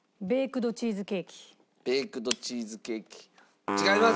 ベイクドチーズケーキ違います。